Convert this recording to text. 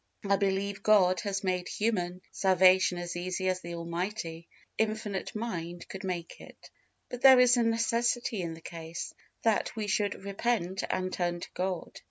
I believe God has made human salvation as easy as the Almighty, Infinite mind could make it. But there is a necessity in the case, that we should "repent and turn to God."